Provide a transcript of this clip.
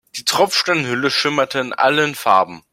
Die Tropfsteinhöhle schimmerte in allen Farben.